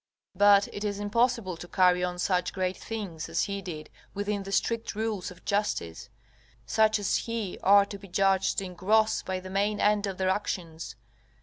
But it is impossible to carry on such great things as he did within the strict rules of justice; such as he are to be judged in gross by the main end of their actions.